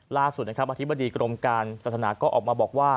ล่าสุดนะครับอธิบดีกรมการศาสนาก็ออกมาบอกว่า